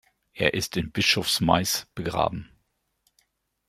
Er ist in Bischofsmais begraben.